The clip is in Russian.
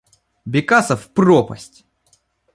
Бекасов пропасть.